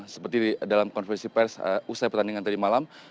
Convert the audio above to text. seperti dalam konferensi pers usai pertandingan tadi malam